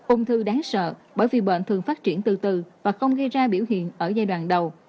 ung thư đáng sợ bởi vì bệnh thường phát triển từ từ và không gây ra biểu hiện ở giai đoạn đầu